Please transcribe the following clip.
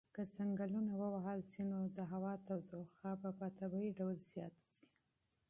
که ځنګلونه ووهل شي نو د هوا تودوخه به په طبیعي ډول زیاته شي.